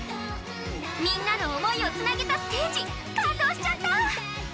みんなの思いをつなげたステージ感動しちゃった。